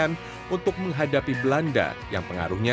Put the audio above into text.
dan membuatnya menjadi sebuah perusahaan yang sangat berharga